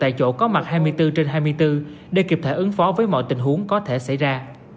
tại chỗ có mặt hai mươi bốn trên hai mươi bốn để kịp thời ứng phó với mọi tình huống có thể xảy ra